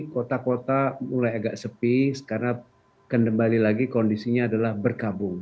kota kota mulai agak sepi karena kembali lagi kondisinya adalah berkabung